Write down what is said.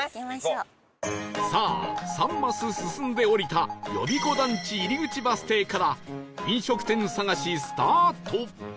さあ３マス進んで降りた呼子団地入口バス停から飲食店探しスタート